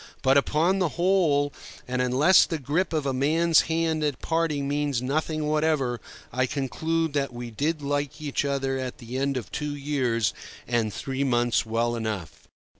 But upon the whole, and unless the grip of a man's hand at parting means nothing whatever, I conclude that we did like each other at the end of two years and three months well enough.